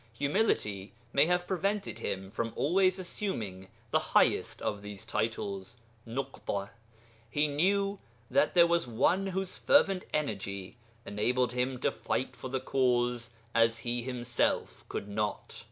Humility may have prevented him from always assuming the highest of these titles (Nuḳṭa). He knew that there was one whose fervent energy enabled him to fight for the Cause as he himself could not.